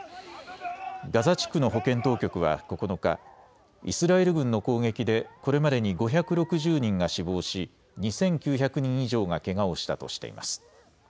ガザ地区の保健当局は９日、イスラエル軍の攻撃でこれまでに５６０人が死亡し２９００人以上がけがをしたとしています。